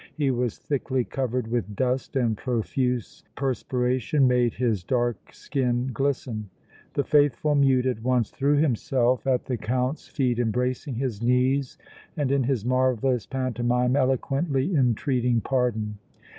He was thickly covered with dust and profuse perspiration made his dark skin glisten. The faithful mute at once threw himself at the Count's feet, embracing his knees and in his marvellous pantomime eloquently entreating pardon.